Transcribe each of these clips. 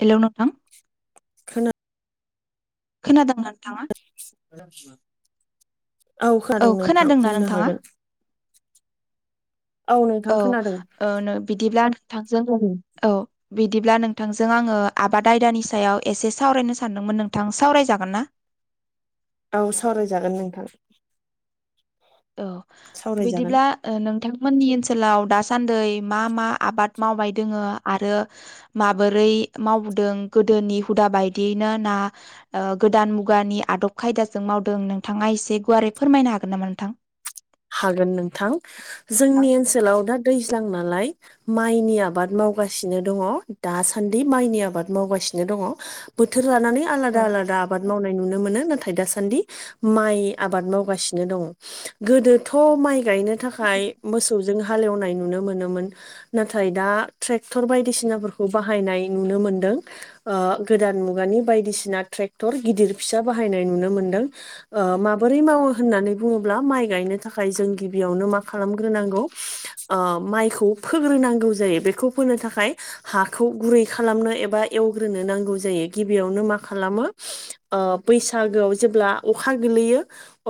Hello नोंथां खोना खोनादोंना नोंथाङा औ खोनादों नोंथां खोनादोंना बुंनो नोंथाङा हागोन नोंथां औ खोनादों ओ नो बिदिब्ला थांजागौमोन औ बिदिब्ला नोंथांजों आङो आबाद आयदानि सायाव एसे सावरायनो सानदोंमोन नोंथां सावरायजागोन ना औ सावरायजागोन नोंथां औ सावरायजागोन बिदिब्ला नोंथांमोननि ओनसोलाव दा सान्दै मा मा आबाद मावबाय दङो आरो माबोरै मावदों गो दोनि हुदा बायदियैनो ना गोदान मुगानि आदब खायदाजों मावदों नोंथाङा एसे ए गुवारै फोरमायनो हागोन नामा नोंथां हागोन नोंथां जोंनि ओनसोलाव दा दैज्लां नालाय माइनि आबाद मावगासिनो दङ दासान्दि माइनि आबाद मावगासिनो नो दङ बोथोर लानानै औ आलादा आलादा आबाद मावनाय नुनो मोनो नाथाइ दासान्दि माइ आबाद मावगासिनो दङ गोदोथ' माइ गायनो थाखाय मोसौ जों हाल एवनाय नुनो मोनोमोन नाथाइ दा ट्रेक्टर बायदिसिनाफोरखौ बाहायनाय नुनो मो नदों गोदान मुगानि बायदिसिना ट्रेक्टर गिदिर फिसा बाहायनाय नुनो मोनदों ओ माबोरै मावो होननानै बुङोब्ला माइ गायनो थाखाय जों गिबियावनो मा खालामग्रोनांगौ ओ माइखौ फोग्रोनांगौ जायो बेखौ फो नो थाखाय हाखौ गुरै खालामनो एबा एवग्रोनो नांगौ जायो गिबियावनो मा खालामो ओ बैसागोआव जेब्ला अखा गोलैयो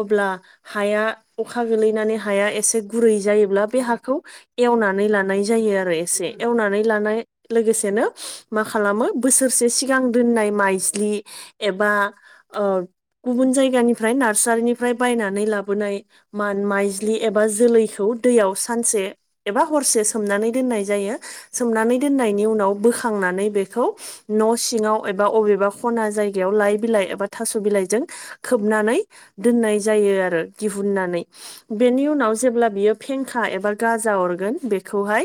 अब्ला हाया अखा गोलैनानै हाया एसे गुरै जायोब्ला बे हाखौ एवनानै लानाय जायो आरो एसे एवनानै लानाय लोगोसेनो मा खालामो बोसोरसे सिगां दोननाय माइज्लि एबा ओ गुबुन जायगानिफ्राय नार्सारिनिफ्राय बायनानै लाबोनाय मान माइज्लि एबा जोलैखौ दैयाव सानसे एबा हरसे सोमनानै दोननाय जायो सोमनानै दोननायनि उनाव बोखांनानै बेखौ न' सिङाव एबा अबेबा खना जाय गायाव लाइ बिलाइ एबा थास' बिलाइजों खोबनानै दोननाय जायो आरो दिहुननानै बेनि उनाव जेब्ला बियो फेंखा एबा गाजा अरगोन बेखौहाय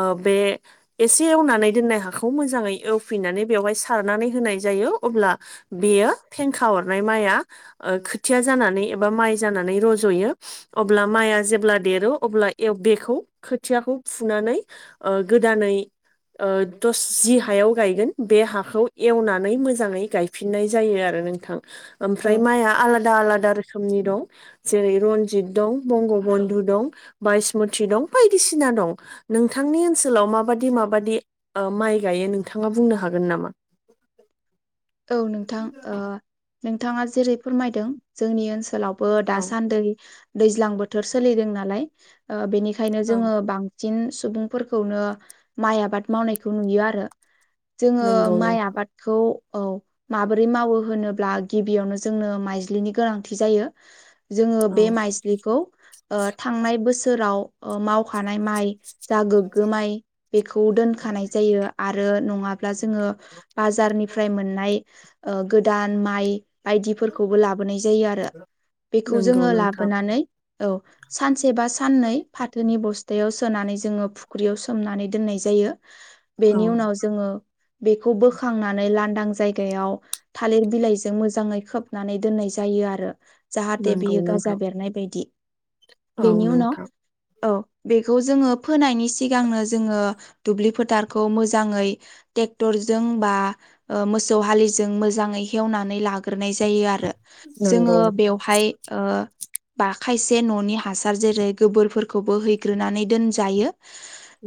ओ बे एसे एवनानै दोननाय हाखौ मोजाङै एवफिननानै बेवहाय सारनानै होनाय जायो अब्ला बेयो फेंखा अरनाय माइआ ओ खोथिया जानानै एबा माइ जानानै रज'यो अब्ला माइआ जेब्ला देरो अब्ला ए बेखौ खोथियाखौ फुनानै ओ गो दानै ओ दस जि हायाव गायगोन बे हाखौ एवनानै मोजाङै गायफिननाय जायो आरो नोंथां औ ओमफ्राय माइआ आलादा आलादा रोखोमनि दं जेरै रन जिद दं बंग' बनदु दं बायसमुति दं बायदिसिना दं नोंथांनि ओनसोलाव माबादि माबादि माइ गायो ओ नोंथाङा बुंनो हागोन नामा औ नोंथां ओ नोंथाङा जेरै फोरमायदों जोंनि ओनसोलाव बो औ दासान्दै दैज्लां बोथोर सोलिदों नालाय बेनिखायनो औ जोङो बां सिन सुबुंफोरखौनो माइ आबाद मावनायखौ नुयो आरो जोङो नंगौ माइ नोंथां आबादखौ औ माबोरै मावो होनोब्ला गिबियावनो जोंनो माइज्लिनि गोनांथि जायो जोङो औ बे माइज्लिखौ थांनाय बोसोराव मावखानाय माइ जा गोग्गो माइ बेखौ दोनखानाय जायो आरो नङा ब्ला जोङो बाजारनिफ्राय मोननाय गोदान माइ बायदिफोरखौबो लाबोनाय जायो आरो बेखौ नंगौ जोङो नोंथां लाबोनानै औ सान सेबा साननै फाथोनि बस्थायाव सोनानै जोङो फुख्रियाव सोमनानै दोननाय जायो औ बेनि उनाव जोङो बेखौ बोखांनानै लांदां जायगायाव थालिर बिलाइजों मोजाङै खोबनानै दोननाय जायो आरो जाहाथे नंगौ बियो गाजा नोंथां बेरनाय बायदि औ बेनि उनाव नोंथां औ बेखौ जोङो फोनायनि सिगांनो जोङो दुब्लि फोथारखौ मोजाङै ट्रेक्टर जों बा ओ मोसौ हालिजों मोजाङै हेवनानै लाग्रोनाय जायो आरो नंगौ जोङो बेवहाय ओ बा खायसे न'नि हासार जेरै गोबोरफोरखौबो हैग्रोनानै दोनजायो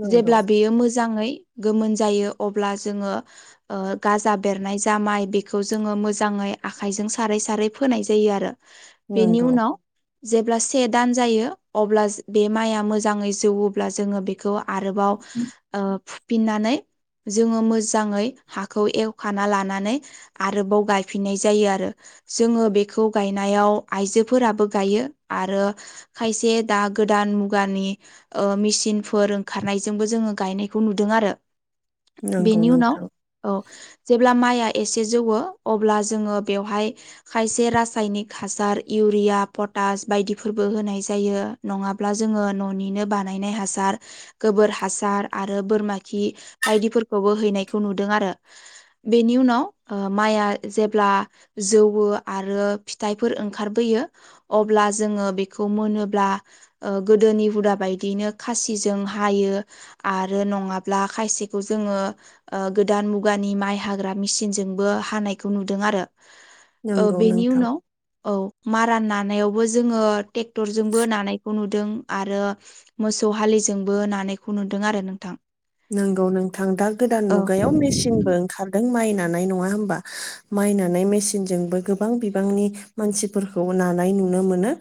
नंगौ जेब्ला बेयो मोजाङै गोमोन जायो अब्ला जोङो ओ गाजा बेरनाय जा माय बेखौ जोङो मोजाङै आखाइजों सारै सारै फोनाय जायो आरो बेनि नंगौ उनाव जेब्ला से दान जायो अब्ला बे माइआ मोजाङै जौवोब्ला जोङो बेखौ आरोबाव ओ फुफिननानै जोङो मोजाङै हाखौ एवखाना लानानै आरोबाव गायफिननाय जायो आरो जोङो बेखौ गायनाय याव आइजोफोराबो गायो आरो खायसे दा गोदान मुगानि ओ मेचिनफोर ओंखारनायजोंबो जोङो गायनायखौ नुदों आरो नंगौ बेनि उनाव नोंथां औ जेब्ला माइया एसे जौवो अब्ला जोङो बेवहाय खायसे रासायनिक हा हासार इउरिया फतास बायदिफोरबो होनाय जायो नङाब्ला जोङो न'निनो बानायनाय नै हासार गोबोर हासार आरो बोरमा खि बायदिफोरखौबो हैनायखौ नुदों दों आरो बेनि उनाव माइआ जेब्ला जौवो आरो फि थाइफोर ओंखारबोयो अब्ला जोङो बेखौ मोनोब्ला ओ गोदोनि हुदा बाय दिनो खासिजों हायो आरो नङाब्ला खासिखौ जोङो ओ गोदान मुगानि माइ हाग्रा मेसिनजों बो हानायखौ नुदों आरो ओ नंगौ बेनि नोंथां उनाव औ मारा नानायावबो जोङो ट्रेक्टरजोंबो नानायखौ नुदों आरो मोसौ हालि जोंबो नानायखौ नुदों आरो नोंथां नंगौ नोंथां दा गोदान औ मुगायाव मेचिनबो ओंखारदों माइना नानाय नङा होनबा माय नानाय मेसिनफोरजोंबो गोबां बिबांनि मानसिफोरखौ नानाय नो मोनो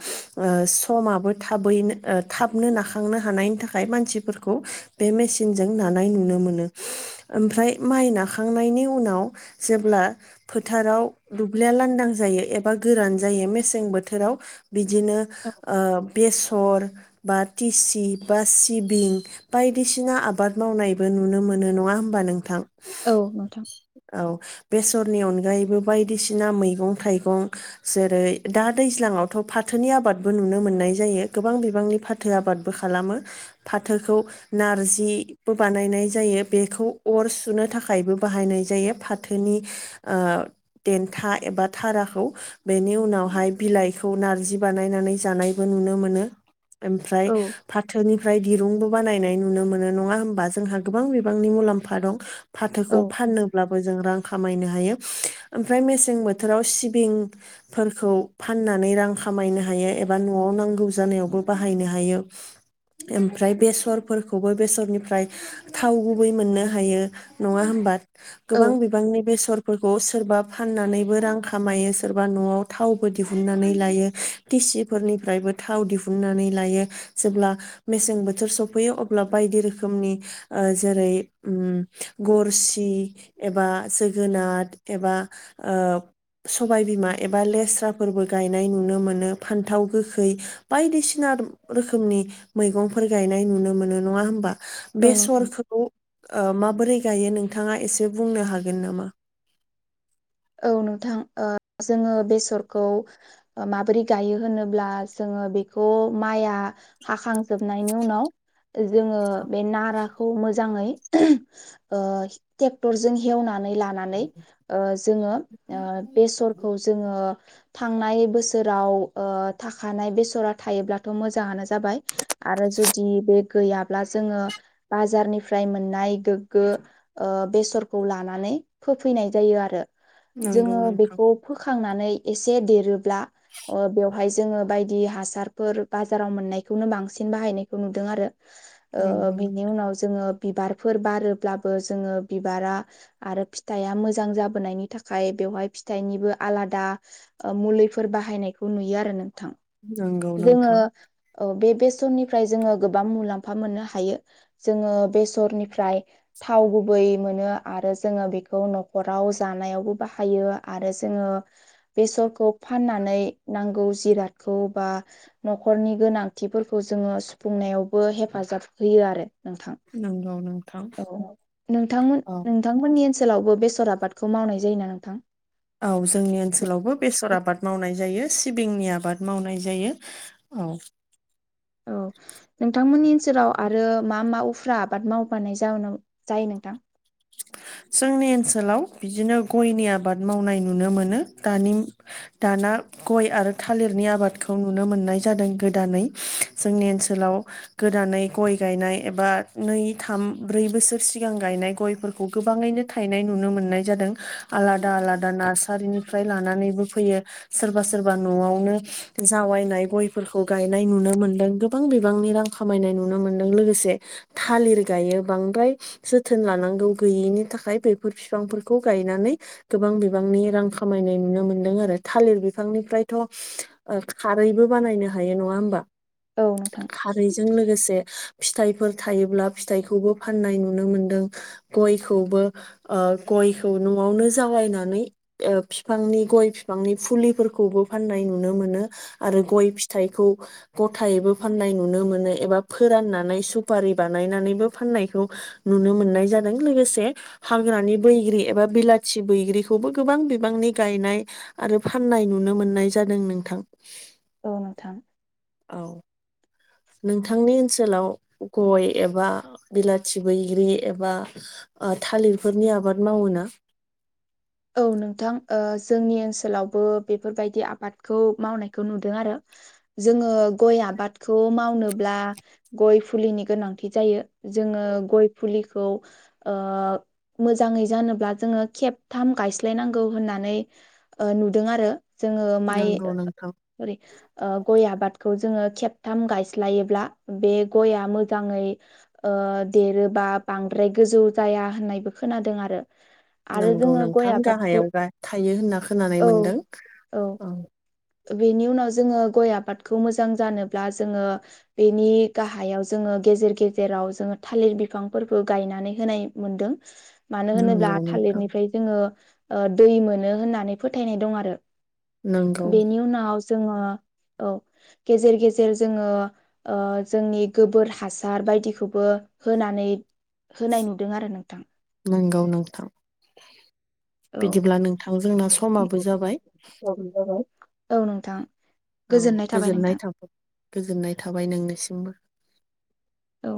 ओ समाबो थाबैनो ओ थाबनो नाखांनो हानायनि थाखाय मानसि खौ बे मेचिनजों नानाय नुनो मोनो ओमफ्राय माइ नाखांनायनि उनाव जेब्ला फोथाराव दुब्लिया लान्दां जायो एबा गोरान जायो मेसें बोथोराव बिदिनो बेसर बा टिसि बा सिबिं बायदिसिना आबाद आबाद मावनायबो नुनो मोनो नङा होमबा नोंथां औ नोंथां औ बेसरनि अनगायैबो बायदिसिना मैगं थाइगं जेरै दा दैज्लाङावथ' फाथोनि आबादबो नुनो मोननाय जायो गोबां बिबांनि फाथो आबादबो खालामो फा थोखौ नारजिबो बानायनाय जायो बेखौ अर सुनो थाखायबो बाहायनाय जायो फाथोनि ओ देन्था एबा थाराखौ बेनि उनावहाय बिलाइखौ नारजि बानायनानै जानायबो नुनो मोनो ओमफ्राय औ फाथोनिफ्राय दिरुंबो बानायनाय नुनो मोनो नङा होमबा जोंहा गोबां बिबांनि मुलाम्फा दं फाथोखौ फानो ब्लाबो जों रां खामायनो हायो ओमफ्राय मेसें बोथोराव सुबुंफोरखौ फान नानै रां खामायनो हायो एबा न'आव नांगौ जानायावबो बाहायनो हायो। ओमफ्राय बेसरफोरखौबो बेसरनिफ्राय थाव गुबै मोननो हायो नङा होमबा? गोबां औ बिबांनि बेसर फोरखौ सोरबा फाननानैबो रां खामायो सोरबा न'आव थावबो दिहुननानै लायो टे सिनिफ्रायबो थाव दिहुननानै लायो जेब्ला मेसें बोथोर सफैयो अब्ला बायदि रोखोमनि जेरै गुरसि एबा जोगोनार एबा ओ सबायबिमा एबा लेस्राफोरबो गायनाय नुनो मोनो फान्थाव गोखै बायदिसिना आद रोखोमनि मैगंफोर गायनाय नुनो मोनो नङा होमबा? औ बे नोंथां सरखौ ओ माबोरै गायो नोंथाङा एसे बुंनो हागोन नामा? औ नोंथां जोङो बेसरखौ माबोरै गायो होनोब्ला जों ओ बेखौ माइआ हाखांजोबनायनि उनाव जोङो बे नाराखौ मोजाङै ओ ट्रेक्टरजों हेवनानै लानानै ओ जोङो ओ बेसरखौ जोङो थांनाय बोसोराव ओ थाखानाय बेसरा थायोब्लाथ' मोजाङानो जा जाबाय आरो जुदि बे गैयाब्ला जोङो बारनिफ्राय मोननाय गोग्गो ओ बेसरखौ लानानै नै फोफैनाय जायो आरो नंगौ जोङो नोंथां बेखौ फोखांनानै एसे देरोब्ला बेवहाय जोङो बायदि हासारफोर बाजाराव मोननायखौनो बांसिन बाहायनायखौ नुदों आरो ओ नंगौ बिनि उनाव जोङो बिबारफोर बारोब्लाबो जोङो बिबारा आरो फिथाइया मोजां जाबोनायनि थाखाय बेवहाय फिथाइनिबो आलादा मुलिफोर बाहायनायखौ नुयो आरो नोंथां नंगौ जोङो नोंथां औ बे बेसरनिफ्राय जोङो गोबां मुलाम्फा मोननो हायो जोङो बेसरनिफ्राय थाव गुबै मोनो आरो जोङो बेखौ न'खराव जानायावबो बाहायो आरो जोङो बेसरखौ फाननानै नांगौ जिरादखौ बा न'खरनि गोनांथिफोरखौ जोङो सुफुंनायावबो हेफाजाब होयो आरो नोंथां नंगौ नोंथां औ नोंथां औ नोंथांमोननि ओन सोलावबो बेसर आबादखौ मावनाय जायो ना नोंथां? औ जोंनि ओनसोलावबो बेसर आबाद मावनाय जायो। सिबिंनि आबाद मावनाय जायो औ औ नोंथांमोननि ओनसोलाव आरो मा मा उफ्रा आबाद मावबानाय जायो नोंथां? जोंनि ओनसोलाव बिदिनो गयनि आबाद मावनाय नुनो मोनो दानि दाना गय आरो थालिरनि नि आबादखौ नुनो मोननाय जादों गोदानै जोंनि ओनसोलाव गोदानै गय गायनाय एबा नै थाम ब्रै बोसोर सिगां गायनाय गयफोर खौ गोबाङैनो थायनाय नुनो मोननाय जादों आलादा आलादा नार्सारिनिफ्राय लानानैबो फैयो। सोरबा सोरबा न'आवनो जावायनाय गयफोरखौ गायनाय नुनो मोनदों गोबां बिबां नि रां खामनाय नुनो मोन लोगोसे थालिर गायो बांद्राय जोथोन लानांगौ गैयिनि थाखाय बेफोर बिफांफोरखौ गायनानै गोबां बिबांनि रां खामायनाय नुनो मोन्दों आरो थालिर बिफांनिफ्रायथ' खारैबो बानायनो हायो नंङा होमबा औ नोंथां खारैजों लोगोसे फिथाइफोर थायोब्ला फिथाइखौबो फाननाय नुनो मोनदों गयखौबो गयखौ न'आवनो जावालायनानै बिफांनि गय बिफांनि फुलिफोरखौबो फाननाय नुनो मोनो आरो गय फिथाइखौ गथायबो फाननाय नो मोन एबा फोराननानै सुपारि बानायनानैबो फाननायखौ नुनो मोननाय जादों। लोगोसे हाग्रानि बैग्रि एबा बिलाथि बैग्रिखौबो गोबां बिबांनि गायनाय आरो फाननाय नुनो मोननाय जादों नोंथां औ नोंथां औ नोंथांनि ओनसोलाव गय एबा बिलाथि बैग्रि एबा थालिरफोरनि आबाद मावो ना औ नोंथां जोंनि ओनसोलावबो बेफोरबायदि आबादखौ मावनायखौ नुदों आरो जोंङो गय आबादखौ मावनोब्ला गय फुलिनि गोनांथि जायो जोंङो गय फुलिखौ मोजांङै जानोब्ला जोंङो खेब थाम गायस्लायनांगौ होननानै नुदों आरो जोंङो नंगौ नोंथां माइरि गय आबाद जोंङो खेबथाम गायसायो बे गया मोजांङै देरोबा बाद्राय गोजौ जनाय खोनादों आरो आंखौ जोङो गय नोंथां आबादखौ गाहायाव थायो होनना खोनानाय औ मोनदों औ बेनि उनाव जोंङो गय आबादखौ मोजां जानोब्ला जोंङो बेनि गाहायाव जोंङो गेजेर गेजेराव जोंङो थालिर बिफांफोरखौ गायनानै होनाय मोनदों मानो होनोब्ला नंगौ नोंथां थालिरनिफ्राय जोंङो दै मोनो होननानै फोथायनाय दं आरो नंगौ बेनि उनाव जोंङो औ गेजेर गेजेर जोंङो जोंनि गोबोर हासार बायदिखौबो होनानै होनाय नुदों आरो नोंथां नांगौ नोंथां औ बिदिब्ला नोंथां जोंना समाबो जाबाय [unintelligible] औ नोंथां औ थाबाय गोजोननाय नोंथां थाबाय गोजोननाय थाबाय नोंनिसिमबो औ